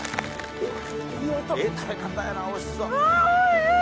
ええ食べ方やなおいしそう。